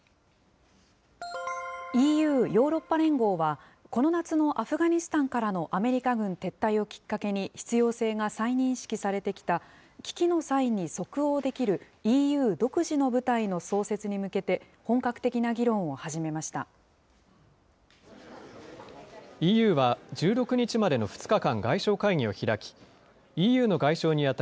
ＥＵ・ヨーロッパ連合は、この夏のアフガニスタンからのアメリカ軍撤退をきっかけに必要性が再認識されてきた、危機の際に即応できるＥＵ独自の部隊の創設に向けて、本格的な議論を始めました。